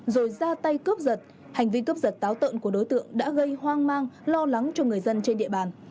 rồi ra tay cướp giật hành vi cướp giật táo tợn của đối tượng đã gây hoang mang lo lắng cho người dân trên địa bàn